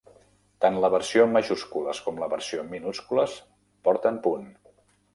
Tant la versió en majúscules com la versió en minúscules porten punt.